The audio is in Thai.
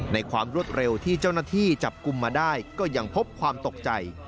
ความรวดเร็วที่เจ้าหน้าที่จับกลุ่มมาได้ก็ยังพบความตกใจ